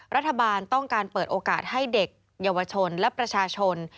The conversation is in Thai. รัฐบาลต้องการเปิดโอกาสให้เด็กเยาวชนและประชาชน